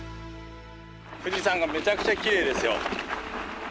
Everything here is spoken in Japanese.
富士山がめちゃくちゃきれいですよ。